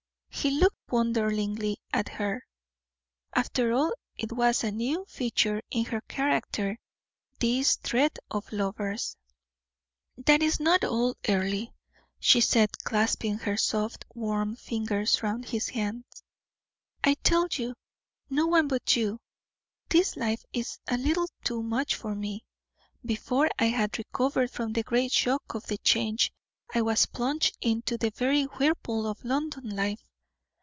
He looked wonderingly at her. After all, it was a new feature in her character this dread of lovers. "That is not all, Earle," she said, clasping her soft, warm fingers round his hands. "I tell you no one but you this life is a little too much for me. Before I had recovered from the great shock of the change, I was plunged into the very whirlpool of London life.